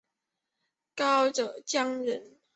高阇羌人。